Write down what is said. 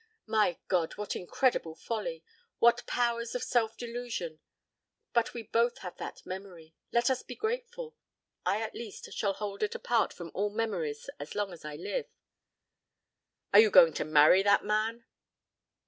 My God! What incredible folly! What powers of self delusion! But we both have that memory. Let us be grateful. I at least shall hold it apart from all memories as long as I live." "Are you going to marry that man?"